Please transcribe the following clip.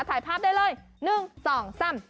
ถ่ายภาพได้เลย๑๒๓